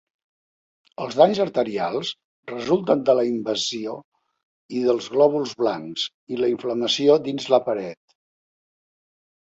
Els danys arterials resulten de la invasió i dels glòbuls blancs i la inflamació dins la paret.